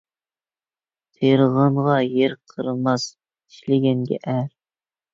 تېرىغانغا يەر قېرىماس، ئىشلىگەنگە ئەر.